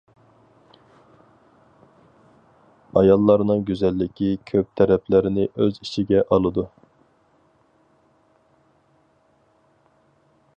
ئاياللارنىڭ گۈزەللىكى كۆپ تەرەپلەرنى ئۆز ئىچىگە ئالىدۇ.